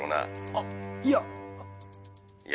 あっいや。